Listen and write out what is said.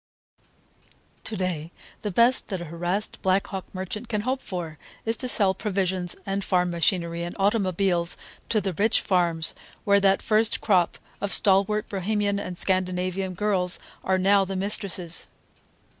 To day the best that a harassed Black Hawk merchant can hope for is to sell provisions and farm machinery and automobiles to the rich farms where that first crop of stalwart Bohemian and Scandinavian girls are now the mistresses.